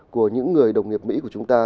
của những người đồng nghiệp mỹ của chúng ta